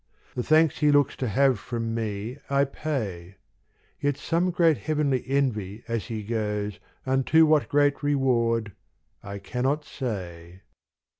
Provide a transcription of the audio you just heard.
The thanks he looks to have from me I pay, Yet fear some heavenly envy as he goes Unto what great reward I cannot say.